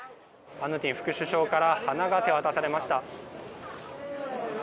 アヌティン副首相から花が手渡されました。